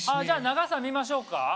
じゃあ長さ見ましょうか？